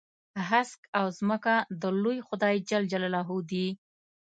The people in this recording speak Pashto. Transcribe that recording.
هسک او ځمکه د لوی خدای جل جلاله دي.